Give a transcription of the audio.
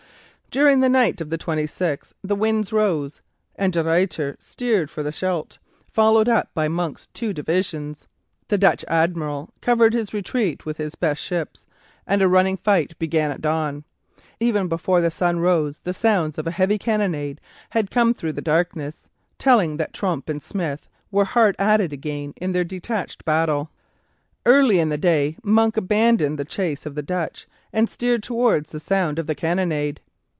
During the night of the 26th the wind rose, and De Ruyter steered for the Scheldt, followed up by Monk's two divisions. The Dutch admiral covered his retreat with his best ships, and a running fight began at dawn. Even before the sun rose the sounds of a heavy cannonade had come through the darkness, telling that Tromp and Smith were hard at it again in their detached battle. Early in the day Monk abandoned the chase of the Dutch, and steered towards the sound of the cannonade.